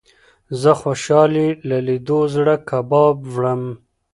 زه خوشال يې له ليدلو زړه کباب وړم